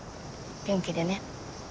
元気でね。